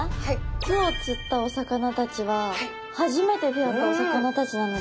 今日釣ったお魚たちは初めて出会ったお魚たちなので。